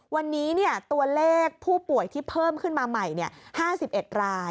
วันนี้ตัวเลขผู้ป่วยที่เพิ่มขึ้นมาใหม่๕๑ราย